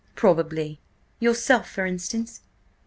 "Probably. Yourself, for instance?"